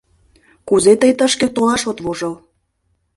Кузе тый тышке толаш от вожыл?!